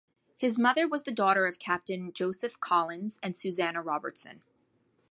His mother was the daughter of Captain Joseph Collins and Susannah Robertson.